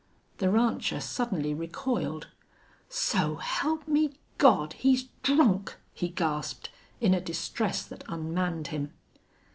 The rancher suddenly recoiled. "So help me Gawd he's drunk!" he gasped, in a distress that unmanned him.